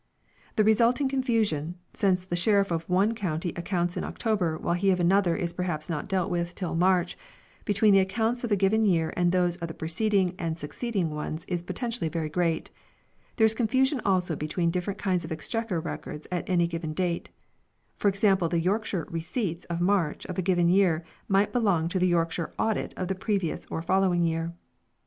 The resulting confusion since the sheriff of one county accounts in October while he of another is perhaps not dealt with till March between the accounts of a given year and those of the preceding and succeeding ones is potentially very great ; there is confusion also be tween different kinds of Exchequer records at any given date ; for example the Yorkshire receipts of March of a given year might belong to the York shire audit of the previous or following year.